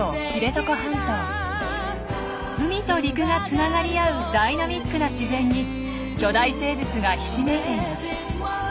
海と陸がつながり合うダイナミックな自然に巨大生物がひしめいています。